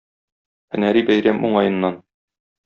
Һөнәри бәйрәм уңаеннан